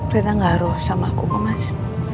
reina gak arus sama aku mas